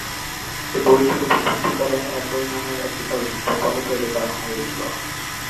এই বইটির উপর ভিত্তি করে একই নামের একটি চলচ্চিত্র পরে তৈরি করা হয়েছিল।